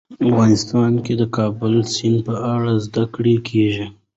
افغانستان کې د د کابل سیند په اړه زده کړه کېږي.